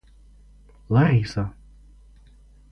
Лариса